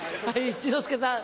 一之輔さん。